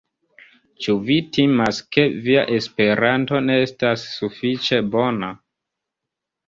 Ĉu vi timas, ke via Esperanto ne estas sufiĉe bona?